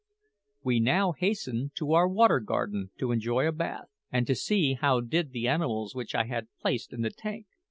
We now hastened to our Water Garden to enjoy a bathe, and to see how did the animals which I had placed in the tank.